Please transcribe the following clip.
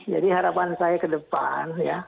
jadi harapan saya ke depan